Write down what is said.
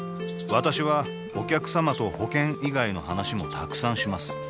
私はお客様と保険以外の話もたくさんします